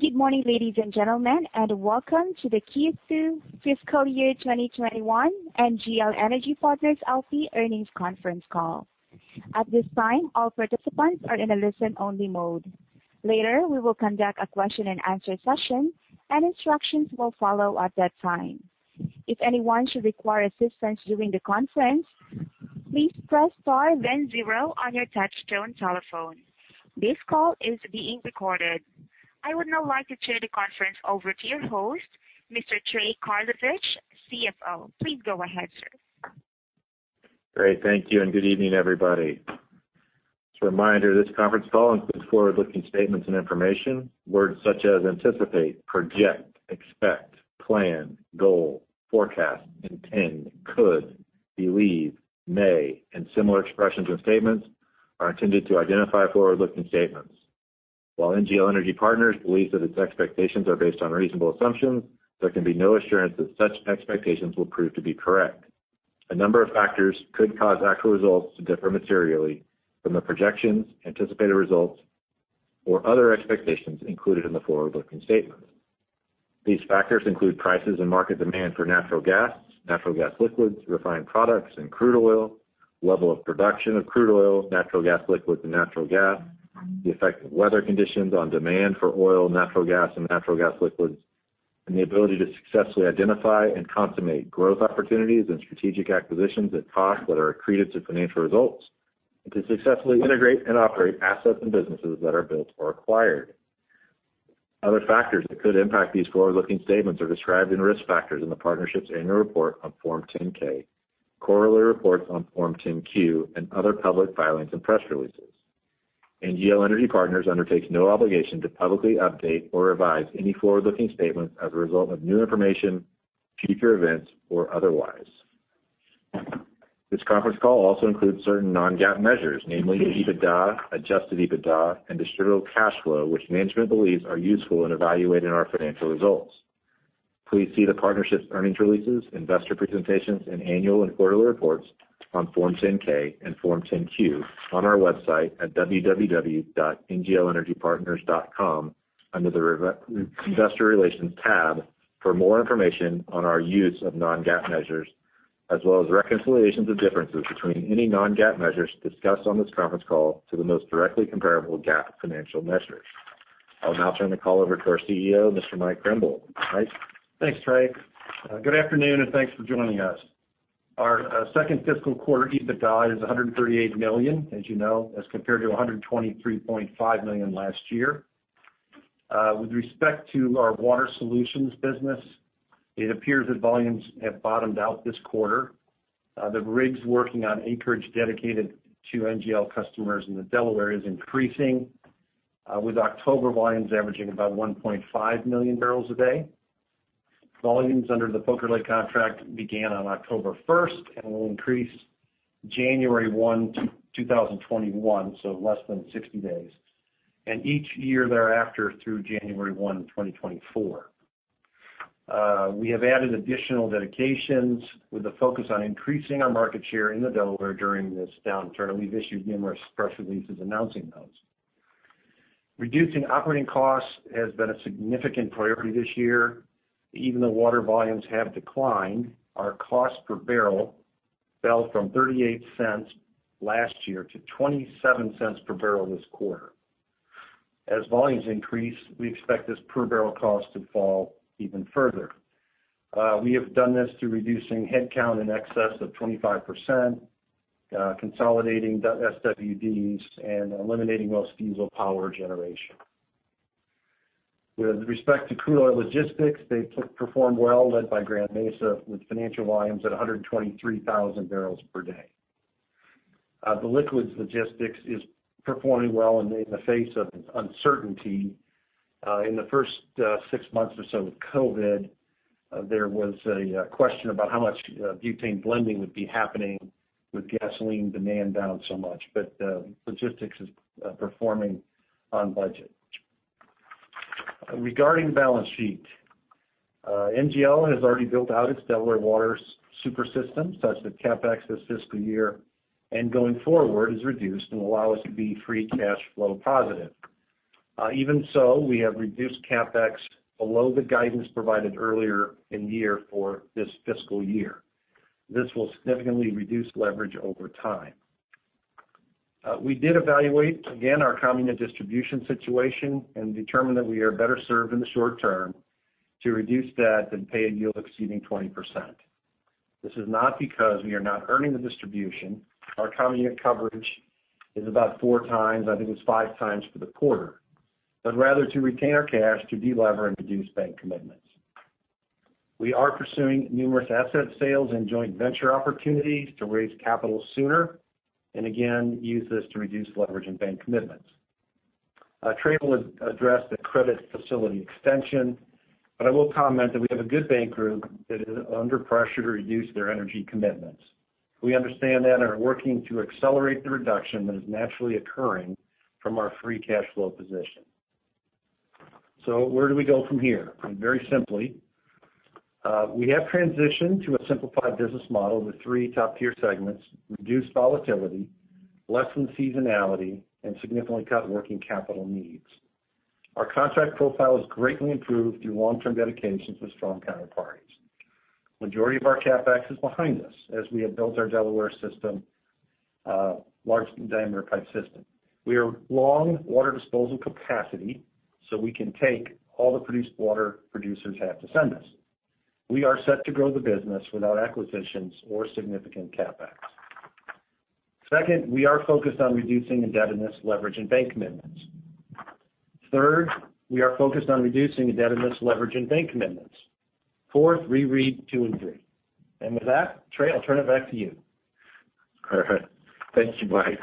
Good morning, ladies and gentlemen, and welcome to the Q2 fiscal year 2021 NGL Energy Partners LP earnings conference call. At this time, all participants are in a listen-only mode. Later, we will conduct a question and answer session, and instructions will follow at that time. If anyone should require assistance during the conference, please press star then zero on your touch-tone telephone. This call is being recorded. I would now like to turn the conference over to your host, Mr. Trey Karlovich, CFO. Please go ahead, sir. Great. Thank you. Good evening, everybody. Just a reminder, this conference call includes forward-looking statements and information. Words such as anticipate, project, expect, plan, goal, forecast, intend, could, believe, may, and similar expressions and statements are intended to identify forward-looking statements. While NGL Energy Partners believes that its expectations are based on reasonable assumptions, there can be no assurance that such expectations will prove to be correct. A number of factors could cause actual results to differ materially from the projections, anticipated results, or other expectations included in the forward-looking statement. These factors include prices and market demand for natural gas, natural gas liquids, refined products, and crude oil, level of production of crude oil, natural gas liquids, and natural gas, the effect of weather conditions on demand for oil, natural gas, and natural gas liquids, and the ability to successfully identify and consummate growth opportunities and strategic acquisitions at costs that are accretive to financial results, and to successfully integrate and operate assets and businesses that are built or acquired. Other factors that could impact these forward-looking statements are described in risk factors in the partnership's annual report on Form 10-K, quarterly reports on Form 10-Q, and other public filings and press releases. NGL Energy Partners undertakes no obligation to publicly update or revise any forward-looking statements as a result of new information, future events, or otherwise. This conference call also includes certain non-GAAP measures, namely EBITDA, adjusted EBITDA, and Distributable Cash Flow, which management believes are useful in evaluating our financial results. Please see the partnership's earnings releases, investor presentations, and annual and quarterly reports on Form 10-K and Form 10-Q on our website at www.nglenergypartners.com under the investor relations tab for more information on our use of non-GAAP measures, as well as reconciliations of differences between any non-GAAP measures discussed on this conference call to the most directly comparable GAAP financial measures. I'll now turn the call over to our CEO, Mr. Mike Krimbill. Mike? Thanks, Trey. Good afternoon, thanks for joining us. Our second fiscal quarter EBITDA is $138 million, as you know, as compared to $123.5 million last year. With respect to our Water Solutions business, it appears that volumes have bottomed out this quarter. The rigs working on acreage dedicated to NGL customers in the Delaware is increasing, with October volumes averaging about 1.5 million barrels a day. Volumes under the Poker Lake contract began on October 1st and will increase January 1, 2021, so less than 60 days, and each year thereafter through January 1, 2024. We have added additional dedications with a focus on increasing our market share in the Delaware during this downturn. We've issued numerous press releases announcing those. Reducing operating costs has been a significant priority this year. Even though water volumes have declined, our cost per barrel fell from $0.38 last year to $0.27 per barrel this quarter. As volumes increase, we expect this per-barrel cost to fall even further. We have done this through reducing headcount in excess of 25%, consolidating SWDs, and eliminating well diesel power generation. With respect to Crude Oil Logistics, they performed well, led by Grand Mesa, with financial volumes at 123,000 barrels per day. The liquids logistics is performing well in the face of uncertainty. In the first six months or so of COVID, there was a question about how much butane blending would be happening with gasoline demand down so much. Logistics is performing on budget. Regarding balance sheet, NGL has already built out its Delaware Water Solutions super system such that CapEx this fiscal year and going forward is reduced and will allow us to be free cash flow positive. We have reduced CapEx below the guidance provided earlier in the year for this fiscal year. This will significantly reduce leverage over time. We did evaluate, again, our common unit distribution situation and determined that we are better served in the short term to reduce debt than pay a yield exceeding 20%. This is not because we are not earning the distribution. Our common unit coverage is about four times. I think it's five times for the quarter. To retain our cash to de-lever and reduce bank commitments. We are pursuing numerous asset sales and joint venture opportunities to raise capital sooner, and again, use this to reduce leverage and bank commitments. Trey will address the credit facility extension, but I will comment that we have a good bank group that is under pressure to reduce their energy commitments. We understand that and are working to accelerate the reduction that is naturally occurring from our free cash flow position. Where do we go from here? Very simply, we have transitioned to a simplified business model with three top-tier segments, reduced volatility, lessened seasonality, and significantly cut working capital needs. Our contract profile is greatly improved through long-term dedications with strong counterparties. Majority of our CapEx is behind us as we have built our Delaware system, large diameter pipe system. We have long water disposal capacity, so we can take all the produced water producers have to send us. We are set to grow the business without acquisitions or significant CapEx. Second, we are focused on reducing indebtedness, leverage, and bank commitments. Third, we are focused on reducing indebtedness, leverage, and bank commitments. Fourth, reread two and three. With that, Trey, I'll turn it back to you. Thank you, Mike.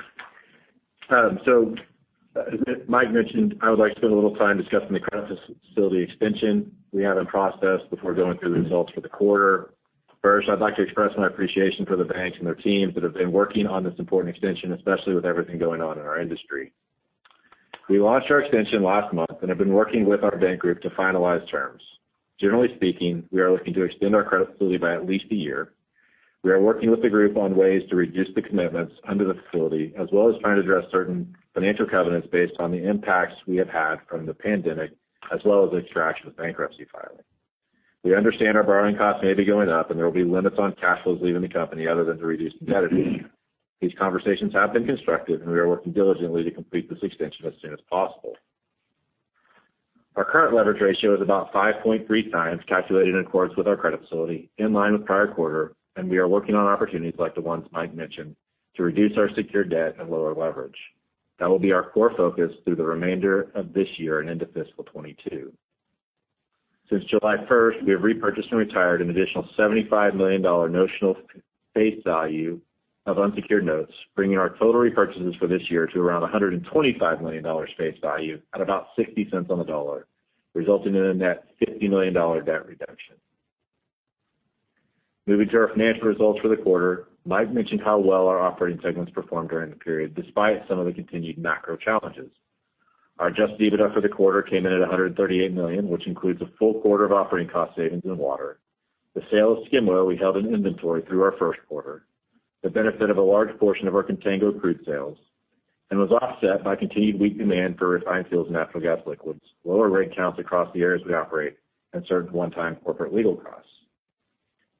As Mike mentioned, I would like to spend a little time discussing the credit facility extension we have in process before going through the results for the quarter. First, I'd like to express my appreciation for the banks and their teams that have been working on this important extension, especially with everything going on in our industry. We launched our extension last month and have been working with our bank group to finalize terms. Generally speaking, we are looking to extend our credit facility by at least a year. We are working with the group on ways to reduce the commitments under the facility, as well as trying to address certain financial covenants based on the impacts we have had from the pandemic, as well as the Extraction bankruptcy filing. We understand our borrowing costs may be going up and there will be limits on cash flows leaving the company other than to reduce debt. These conversations have been constructive, and we are working diligently to complete this extension as soon as possible. Our current leverage ratio is about 5.3 times, calculated in accordance with our credit facility, in line with prior quarter, and we are working on opportunities like the ones Mike mentioned to reduce our secured debt and lower leverage. That will be our core focus through the remainder of this year and into fiscal 2022. Since July 1st, we have repurchased and retired an additional $75 million notional face value of unsecured notes, bringing our total repurchases for this year to around $125 million face value at about $0.60 on the dollar, resulting in a net $50 million debt reduction. Moving to our financial results for the quarter, Mike mentioned how well our operating segments performed during the period, despite some of the continued macro challenges. Our adjusted EBITDA for the quarter came in at $138 million, which includes a full quarter of operating cost savings in Water Solutions, the sale of skim oil we held in inventory through our first quarter, the benefit of a large portion of our contango crude sales, and was offset by continued weak demand for refined fuels and natural gas liquids, lower rig counts across the areas we operate, and certain one-time corporate legal costs.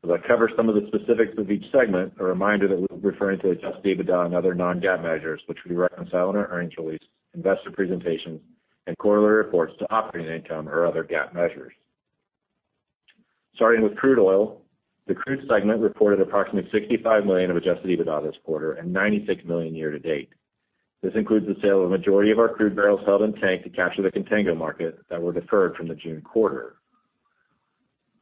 As I cover some of the specifics of each segment, a reminder that we're referring to adjusted EBITDA and other non-GAAP measures, which we reconcile in our earnings release, investor presentations, and quarterly reports to operating income or other GAAP measures. Starting with crude oil, the crude segment reported approximately $65 million of adjusted EBITDA this quarter and $96 million year to date. This includes the sale of a majority of our crude barrels held in tank to capture the contango market that were deferred from the June quarter.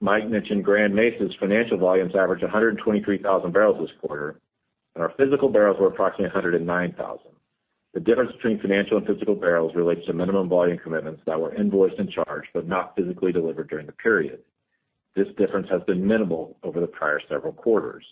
Mike mentioned Grand Mesa's financial volumes averaged 123,000 barrels this quarter, and our physical barrels were approximately 109,000. The difference between financial and physical barrels relates to minimum volume commitments that were invoiced and charged but not physically delivered during the period. This difference has been minimal over the prior several quarters.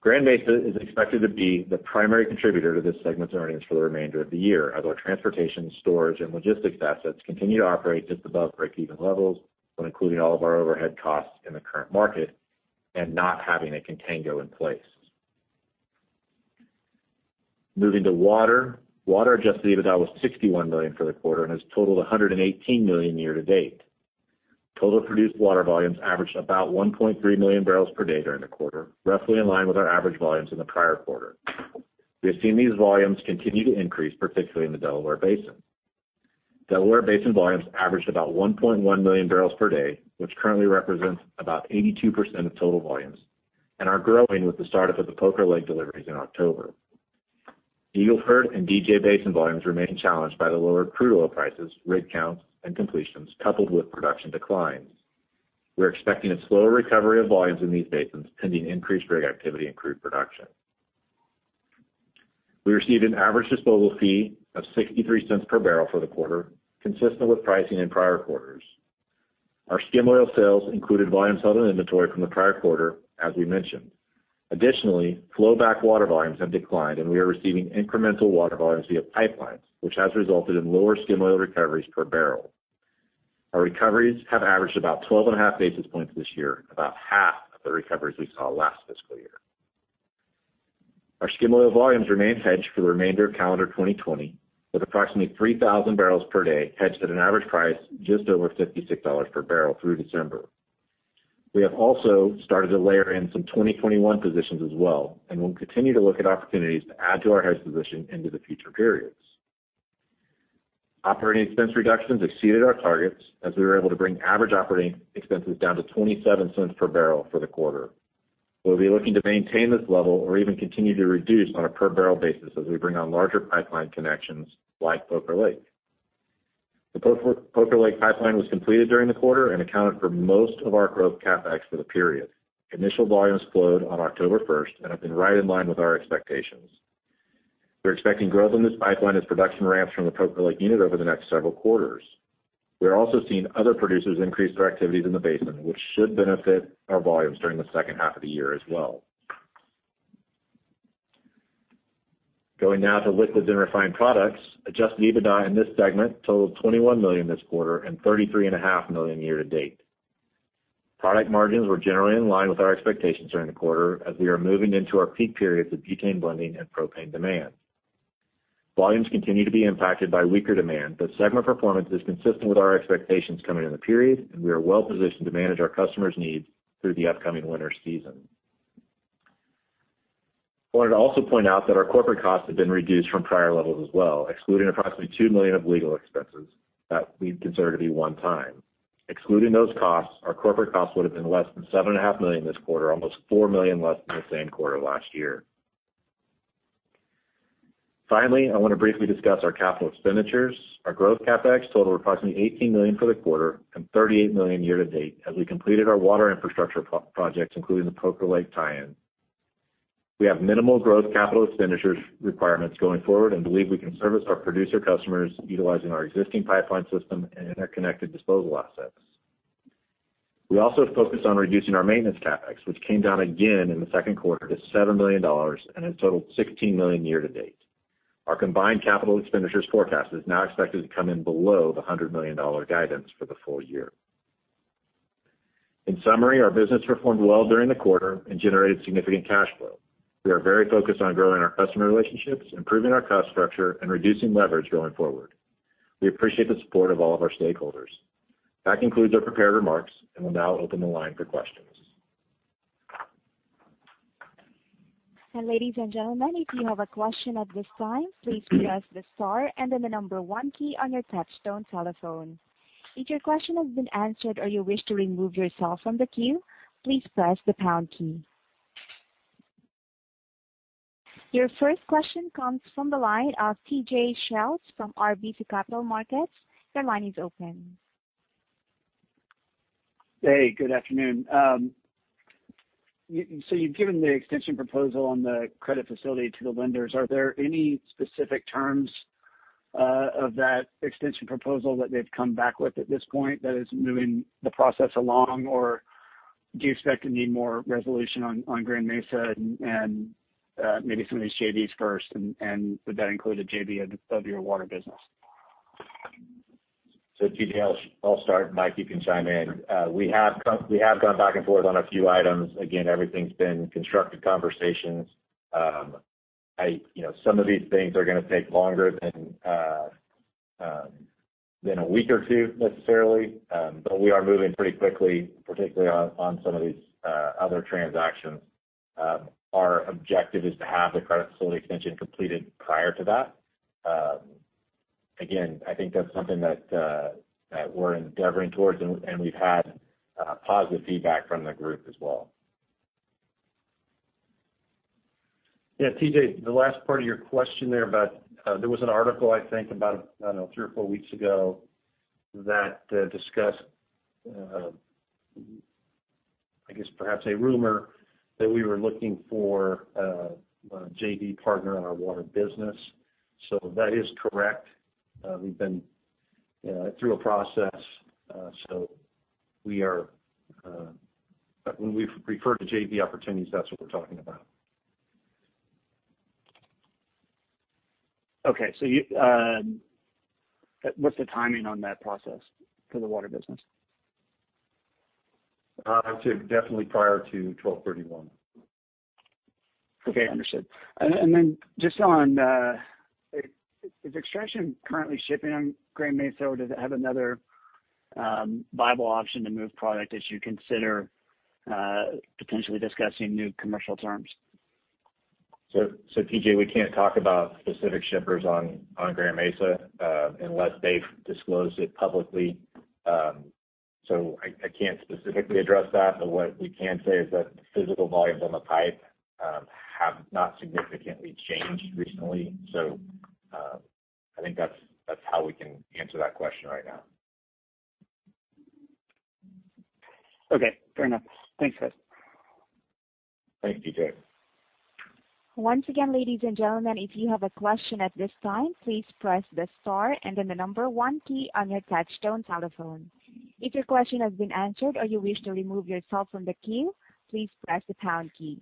Grand Mesa is expected to be the primary contributor to this segment's earnings for the remainder of the year, as our transportation, storage, and logistics assets continue to operate just above breakeven levels when including all of our overhead costs in the current market and not having a contango in place. Moving to water. Water adjusted EBITDA was $61 million for the quarter and has totaled $118 million year to date. Total produced water volumes averaged about 1.3 million barrels per day during the quarter, roughly in line with our average volumes in the prior quarter. We have seen these volumes continue to increase, particularly in the Delaware Basin. Delaware Basin volumes averaged about 1.1 million barrels per day, which currently represents about 82% of total volumes and are growing with the startup of the Poker Lake deliveries in October. Eagle Ford and DJ Basin volumes remain challenged by the lower crude oil prices, rig counts, and completions, coupled with production declines. We're expecting a slower recovery of volumes in these basins pending increased rig activity and crude production. We received an average disposal fee of $0.63 per barrel for the quarter, consistent with pricing in prior quarters. Our skim oil sales included volumes held in inventory from the prior quarter, as we mentioned. Additionally, flowback water volumes have declined, and we are receiving incremental water volumes via pipelines, which has resulted in lower skim oil recoveries per barrel. Our recoveries have averaged about 12 and a half basis points this year, about half of the recoveries we saw last fiscal year. Our skim oil volumes remain hedged for the remainder of calendar 2020, with approximately 3,000 barrels per day hedged at an average price just over $56 per barrel through December. We have also started to layer in some 2021 positions as well and will continue to look at opportunities to add to our hedge position into the future periods. Operating expense reductions exceeded our targets as we were able to bring average operating expenses down to $0.27 per barrel for the quarter. We'll be looking to maintain this level or even continue to reduce on a per barrel basis as we bring on larger pipeline connections like Poker Lake. The Poker Lake pipeline was completed during the quarter and accounted for most of our growth CapEx for the period. Initial volumes flowed on October 1st and have been right in line with our expectations. We're expecting growth on this pipeline as production ramps from the Poker Lake unit over the next several quarters. We are also seeing other producers increase their activities in the basin, which should benefit our volumes during the second half of the year as well. Going now to liquids and refined products. Adjusted EBITDA in this segment totaled $21 million this quarter and $33.5 million year to date. Product margins were generally in line with our expectations during the quarter as we are moving into our peak periods of butane blending and propane demand. Volumes continue to be impacted by weaker demand, but segment performance is consistent with our expectations coming in the period, and we are well-positioned to manage our customers' needs through the upcoming winter season. I wanted to also point out that our corporate costs have been reduced from prior levels as well, excluding approximately $2 million of legal expenses that we consider to be one time. Excluding those costs, our corporate costs would've been less than $7.5 million this quarter, almost $4 million less than the same quarter last year. Finally, I want to briefly discuss our capital expenditures. Our growth CapEx totaled approximately $18 million for the quarter and $38 million year to date as we completed our water infrastructure projects, including the Poker Lake tie-in. We have minimal growth capital expenditures requirements going forward and believe we can service our producer customers utilizing our existing pipeline system and interconnected disposal assets. We also have focused on reducing our maintenance CapEx, which came down again in the second quarter to $7 million and has totaled $16 million year to date. Our combined capital expenditures forecast is now expected to come in below the $100 million guidance for the full year. In summary, our business performed well during the quarter and generated significant cash flow. We are very focused on growing our customer relationships, improving our cost structure, and reducing leverage going forward. We appreciate the support of all of our stakeholders. That concludes our prepared remarks, and we'll now open the line for questions. Ladies and gentlemen, if you have a question at this time, please press the star and then the number one key on your touchtone telephone. If your question has been answered or you wish to remove yourself from the queue, please press the pound key. Your first question comes from the line of T.J. Schultz from RBC Capital Markets. Your line is open. Hey, good afternoon. You've given the extension proposal on the credit facility to the lenders. Are there any specific terms of that extension proposal that they've come back with at this point that is moving the process along, or do you expect to need more resolution on Grand Mesa and maybe some of these JVs first, and would that include a JV of your water business? T.J., I'll start. Mike, you can chime in. We have gone back and forth on a few items. Again, everything's been constructive conversations. Some of these things are going to take longer than a week or two necessarily. We are moving pretty quickly, particularly on some of these other transactions. Our objective is to have the credit facility extension completed prior to that. Again, I think that's something that we're endeavoring towards, and we've had positive feedback from the group as well. T.J., the last part of your question there was an article, I think about, I don't know, three or four weeks ago that discussed, I guess perhaps a rumor, that we were looking for a JV partner in our water business. That is correct. We've been through a process. When we refer to JV opportunities, that's what we're talking about. Okay. What's the timing on that process for the water business? I'd say definitely prior to 12/31. Okay, understood. Then just, is Extraction currently shipping on Grand Mesa, or does it have another viable option to move product as you consider potentially discussing new commercial terms? T.J., we can't talk about specific shippers on Grand Mesa unless they've disclosed it publicly. I can't specifically address that, but what we can say is that the physical volumes on the pipe have not significantly changed recently. I think that's how we can answer that question right now. Okay, fair enough. Thanks, guys. Thanks, T.J. Once again, ladies and gentlemen, if you have a question at this time, please press the star and then the number one key on your touchtone telephone. If your question has been answered or you wish to remove yourself from the queue, please press the pound key.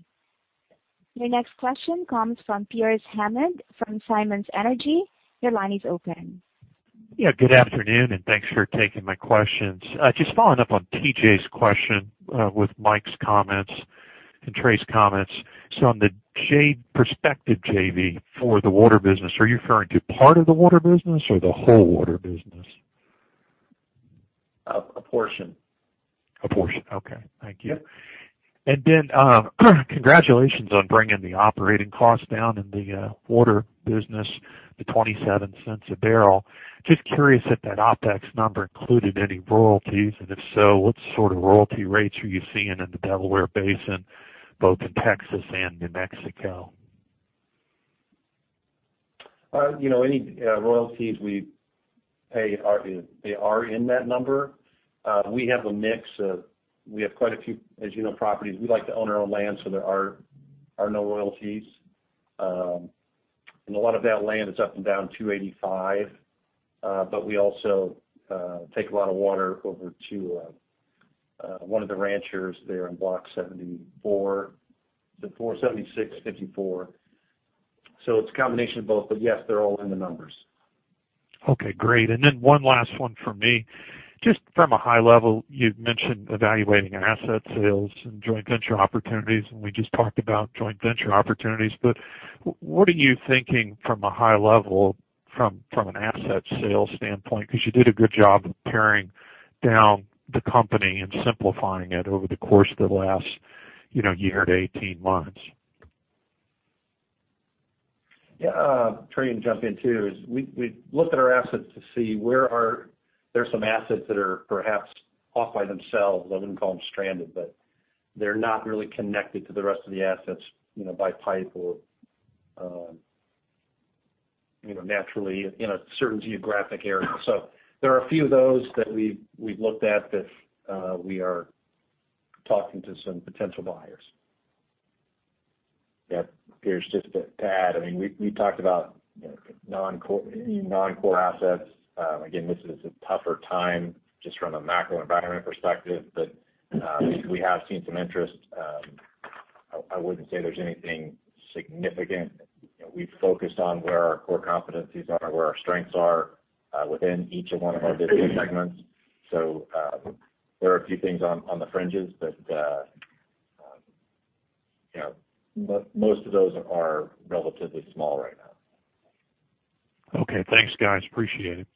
Your next question comes from Pearce Hammond from Simmons Energy. Your line is open. Yeah, good afternoon, and thanks for taking my questions. Just following up on T.J.'s question with Mike's comments and Trey's comments. On the perspective JV for the water business, are you referring to part of the water business or the whole water business? A portion. A portion. Okay. Thank you. Congratulations on bringing the operating costs down in the water business to $0.27 a barrel. Just curious if that OpEx number included any royalties, and if so, what sort of royalty rates are you seeing in the Delaware Basin, both in Texas and New Mexico? Any royalties we pay, they are in that number. We have quite a few, as you know, properties. We like to own our own land, there are no royalties. A lot of that land is up and down 285. We also take a lot of water over to one of the ranchers there in 74 Ranch, no, 7654. It's a combination of both, but yes, they're all in the numbers. Okay, great. Then one last one from me. Just from a high level, you'd mentioned evaluating asset sales and joint venture opportunities. We just talked about joint venture opportunities, but what are you thinking from a high level from an asset sales standpoint? You did a good job of tearing down the company and simplifying it over the course of the last year to 18 months. Yeah. Trey, you can jump in, too, as we looked at our assets to see where there's some assets that are perhaps off by themselves. I wouldn't call them stranded, but they're not really connected to the rest of the assets by pipe or naturally in a certain geographic area. There are a few of those that we've looked at that we are talking to some potential buyers. Yeah. Pearce, just to add, I mean, we talked about non-core assets. Again, this is a tougher time just from a macro environment perspective. We have seen some interest. I wouldn't say there's anything significant. We've focused on where our core competencies are, where our strengths are within each one of our business segments. There are a few things on the fringes, but most of those are relatively small right now. Okay. Thanks, guys. Appreciate it.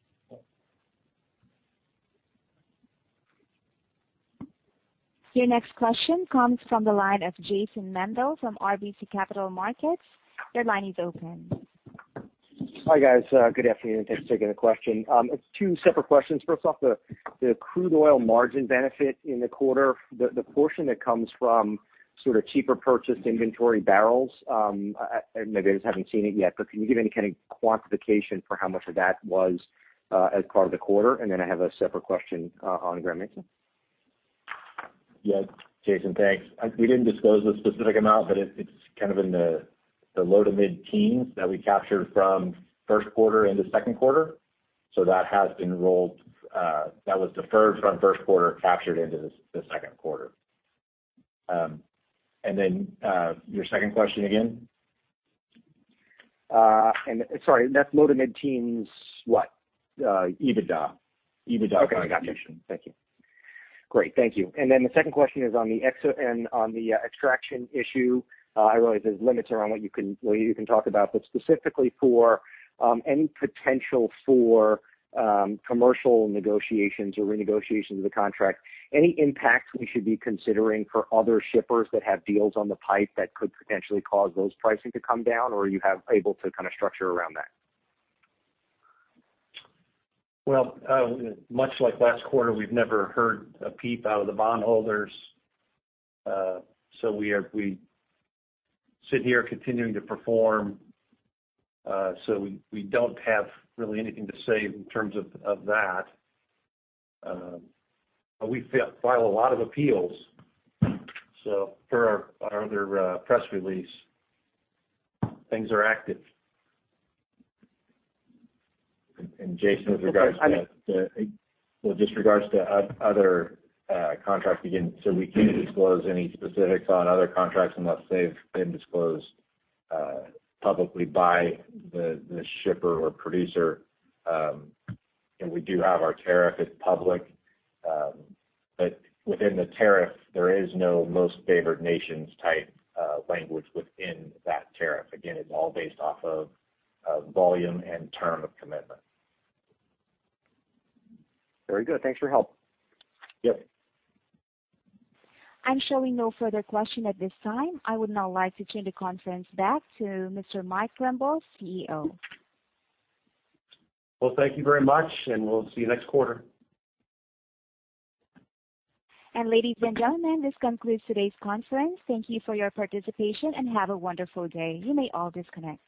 Your next question comes from the line of Jason Mandel from RBC Capital Markets. Your line is open. Hi, guys. Good afternoon. Thanks for taking the question. It's two separate questions. First off, the crude oil margin benefit in the quarter, the portion that comes from sort of cheaper purchased inventory barrels, maybe I just haven't seen it yet, but can you give any kind of quantification for how much of that was as part of the quarter? Then I have a separate question on Grand Mesa. Yes. Jason, thanks. We didn't disclose the specific amount, but it's kind of in the low to mid-teens that we captured from first quarter into second quarter. That was deferred from first quarter captured into the second quarter. Your second question again? Sorry. That's low to mid-teens what? EBITDA. EBITDA quantification. Okay. I got you. Thank you. Great. Thank you. The second question is on the Extraction issue. I realize there's limits around what you can talk about, but specifically for any potential for commercial negotiations or renegotiations of the contract, any impact we should be considering for other shippers that have deals on the pipe that could potentially cause those pricing to come down, or are you have able to kind of structure around that? Well, much like last quarter, we've never heard a peep out of the bondholders. We sit here continuing to perform, so we don't have really anything to say in terms of that. We file a lot of appeals. Per our other press release, things are active. Jason, with regards to other contracts, again, so we can't disclose any specifics on other contracts unless they've been disclosed publicly by the shipper or producer. We do have our tariff, it's public. Within the tariff, there is no most favored nations type language within that tariff. Again, it's all based off of volume and term of commitment. Very good. Thanks for your help. Yep. I'm showing no further question at this time. I would now like to turn the conference back to Mr. Mike Krimbill, CEO. Well, thank you very much, and we'll see you next quarter. Ladies and gentlemen, this concludes today's conference. Thank you for your participation, and have a wonderful day. You may all disconnect.